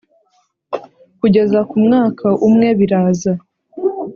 kugeza ku mwaka umwe biraza